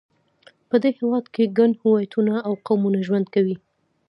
په دې هېواد کې ګڼ هویتونه او قومونه ژوند کوي.